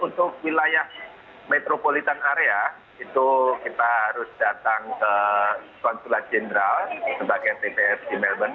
untuk wilayah metropolitan area itu kita harus datang ke konsulat jenderal sebagai tps di melbourne